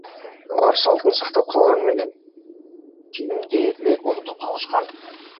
Алар салтын сактап калган менен, тилин дээрлик унутуп калышкан.